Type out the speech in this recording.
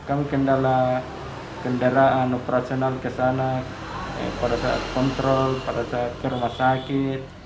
kami kendala kendaraan operasional ke sana pada saat kontrol pada saat ke rumah sakit